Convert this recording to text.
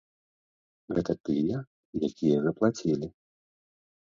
Гэта тыя, якія заплацілі.